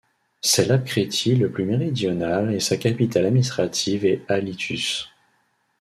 C'est l'apskritis le plus méridional et sa capitale administrative est Alytus.